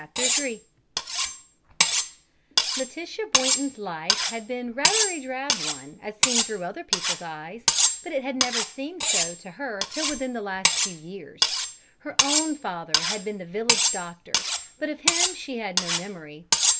III Letitia Boynton's life had been rather a drab one as seen through other people's eyes, but it had never seemed so to her till within the last few years. Her own father had been the village doctor, but of him she had no memory.